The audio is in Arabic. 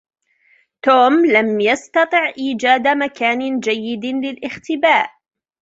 توم لم يستطع إيجاد مكان جيد للإختباء.